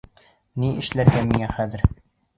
Ни эшләргә миңә хәҙер?